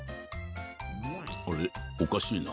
あれおかしいな？